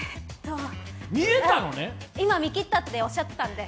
えーっと今見切ったっておっしゃってたんで。